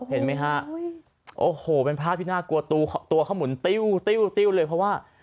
เห็นไหมฮะโอ้โหเป็นภาพที่น่ากลัวตัวเขาหมุนติ้วติ้วเลยเพราะว่า